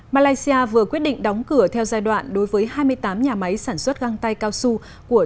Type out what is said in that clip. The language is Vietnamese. malaysia vừa quyết định đóng cửa theo giai đoạn đối với hai mươi tám nhà máy sản xuất găng tay cao su của